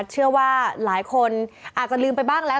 เชื่อว่าหลายคนอาจจะลืมไปบ้างแล้ว